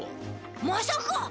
まさか！